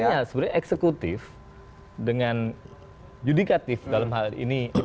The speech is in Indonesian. artinya sebenarnya eksekutif dengan yudikatif dalam hal ini